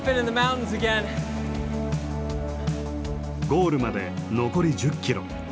ゴールまで残り１０キロ。